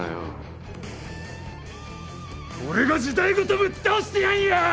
俺が時代ごとぶっ倒してやんよ！